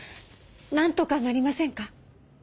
なんとかなりませんか？